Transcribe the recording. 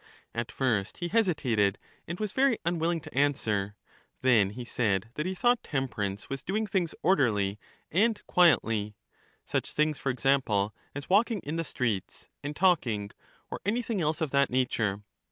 At first he hesitated, and was very unwilling to answer: then he said that he thought temperance was doing things orderly and quietly, such things for ex ample as walking in the streets, and talking, or any thing else of that nature.